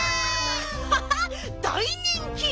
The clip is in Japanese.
ハハッ大人気！